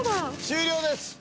終了です。